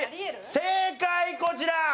正解こちら！